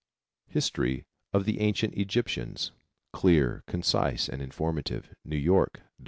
History of the Ancient Egyptians. Clear, concise and authoritative. New York, $1.